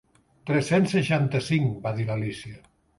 "Tres-cents seixanta-cinc", va dir l'Alícia.